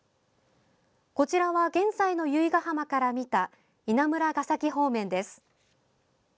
こちらは現在の由比ヶ浜から見た稲村ヶ崎方面です。